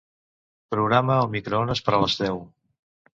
Programa el microones per a les deu.